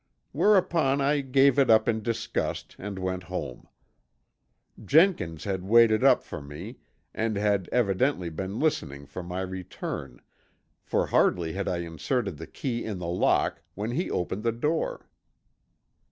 Whereupon I gave it up in disgust and went home. Jenkins had waited up for me and had evidently been listening for my return, for hardly had I inserted the key in the lock when he opened the door.